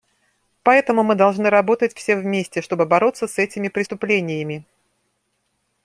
Поэтому мы должны работать все вместе, чтобы бороться с этими преступлениями.